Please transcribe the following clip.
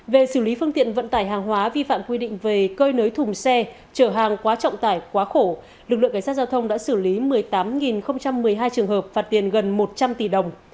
về xử lý phương tiện vận tải hàng hóa vi phạm quy định về cơi nới thùng xe trở hàng quá trọng tải quá khổ lực lượng cảnh sát giao thông đã xử lý một mươi tám một mươi hai trường hợp phạt tiền gần một trăm linh tỷ đồng